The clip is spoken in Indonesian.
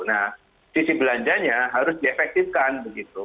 nah sisi belanjanya harus diefektifkan begitu